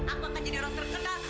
aku akan jadi orang terkenal